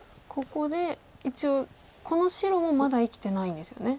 ここで一応この白もまだ生きてないんですよね。